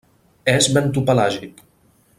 És bentopelàgic.